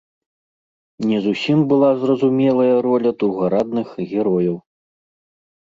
Не зусім была зразумелая роля другарадных герояў.